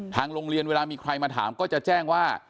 ทางโรงเรียนเวลามีใครมาถามก็จะแจ้งว่า